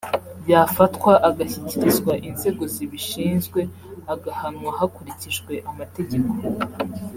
yafatwa agashyikirizwa inzego zibishinzwe agahanwa hakurikijwe amategeko